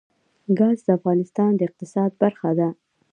ګاز د افغانستان د اقتصاد برخه ده.